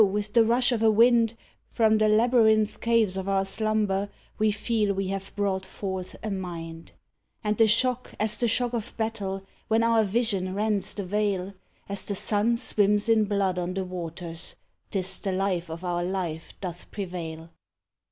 with the rush of a wind, From the labyrinth caves of our slumber we feel we have brought forth a mind ; And the shock as the shock of battle, when our vision rends the veil As the sun swims in blood on the waters; 'tis the Life of our life doth prevail